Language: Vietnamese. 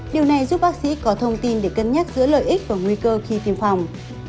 điều này giúp bác sĩ có thông tin để cân nhắc giữa lợi ích và nguy cơ khi tiêm phòng